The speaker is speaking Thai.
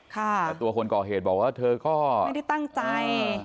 แต่ตัวคนก่อเหตุบอกว่าเธอก็ไม่ได้ตั้งใจ